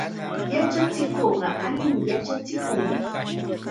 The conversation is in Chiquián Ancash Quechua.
Yachachikuqqa allim yachachikun.